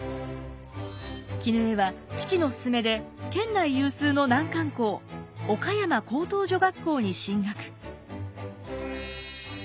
絹枝は父の勧めで県内有数の難関校岡山高等女学校に進学。